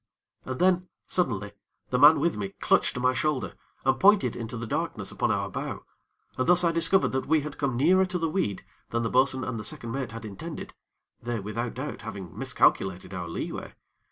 And then, suddenly, the man with me clutched my shoulder, and pointed into the darkness upon our bow, and thus I discovered that we had come nearer to the weed than the bo'sun and the second mate had intended; they, without doubt, having miscalculated our leeway.